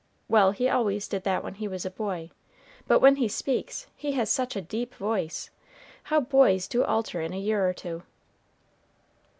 Well, he always did that when he was a boy; but when he speaks, he has such a deep voice! How boys do alter in a year or two!"